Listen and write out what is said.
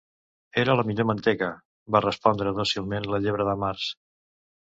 "Era la millor mantega", va respondre dòcilment la Llebre de Març